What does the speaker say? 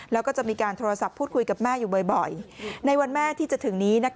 แล้วก็จะมีการโทรศัพท์พูดคุยกับแม่อยู่บ่อยในวันแม่ที่จะถึงนี้